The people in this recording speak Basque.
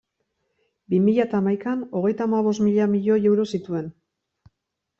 Bi mila eta hamaikan, hogeita hamabost mila milioi euro zituen.